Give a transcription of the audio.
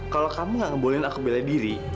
kalau kamu nggak ngebohonin aku bela diri